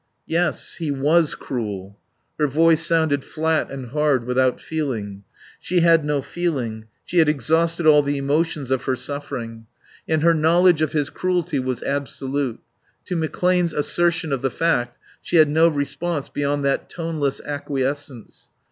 "Yes. He was cruel." Her voice sounded flat and hard, without feeling. She had no feeling; she had exhausted all the emotions of her suffering. And her knowledge of his cruelty was absolute. To McClane's assertion of the fact she had no response beyond that toneless acquiescence.